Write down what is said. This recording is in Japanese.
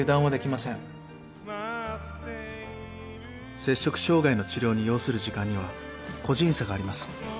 摂食障害の治療に要する時間には個人差があります。